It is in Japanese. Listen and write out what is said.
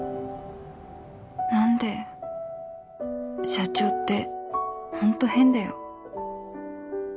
社長って本当変だよ